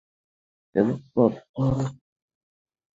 তারা যে পথ ধরে হুদায়বিয়া গেছে, সে পথ তাদের ক্লান্ত করে দিয়েছে।